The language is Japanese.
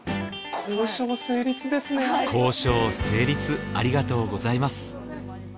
交渉成立ありがとうございます。